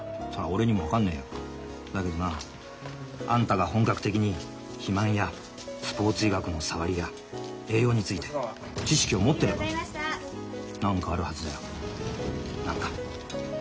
だけどなあんたが本格的に肥満やスポーツ医学のさわりや栄養について知識を持ってれば何かあるはずだよ何か。